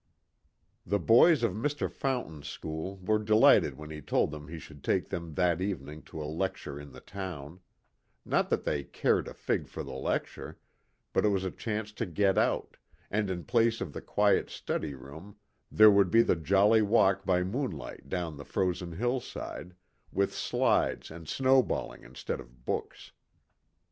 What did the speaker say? THE boys of Mr. Fountain's school were delighted when he told them he should take them that evening to a lecture in the town ; not that they cared a % for the lecture, but it was a chance to get out, and in place of the quiet study room there would be the jolly walk by moonlight down the frozen hillside, with slides and snowballing instead of books.